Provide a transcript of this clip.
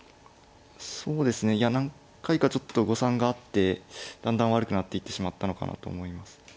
そうですねいや何回かちょっと誤算があってだんだん悪くなっていってしまったのかなと思います。